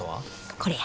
これや。